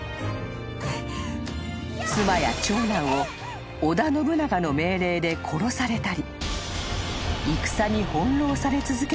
［妻や長男を織田信長の命令で殺されたり］